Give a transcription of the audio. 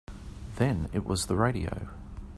Then it was the radio.